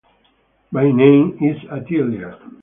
my name is atelia